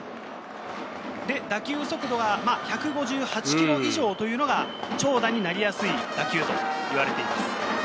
打球速度は１５８キロ以上というのが長打になりやすい打球と言われています。